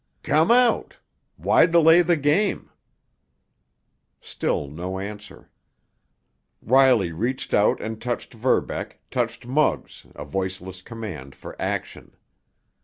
"Come out! Why delay the game?" Still no answer. Riley reached out and touched Verbeck, touched Muggs, a voiceless command for action.